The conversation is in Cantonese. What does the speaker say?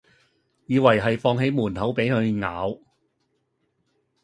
以為係放喺門口俾佢咬